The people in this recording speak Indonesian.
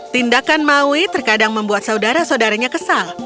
tindakan maui terkadang membuat saudara saudaranya kesal